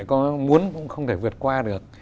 có muốn cũng không thể vượt qua được